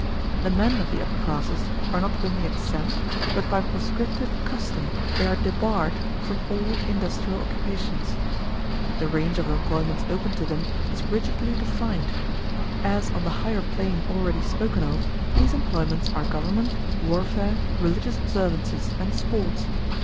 The men of the upper classes are not only exempt, but by prescriptive custom they are debarred, from all industrial occupations. The range of employments open to them is rigidly defined. As on the higher plane already spoken of, these employments are government, warfare, religious observances, and sports.